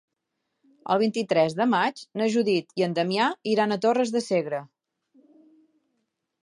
El vint-i-tres de maig na Judit i en Damià iran a Torres de Segre.